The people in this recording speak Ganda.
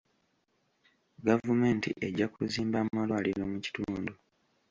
Gavumenti ejja kuzimba amalwaliro mu kitundu.